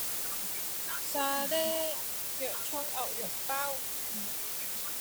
沙爹洋蔥牛肉包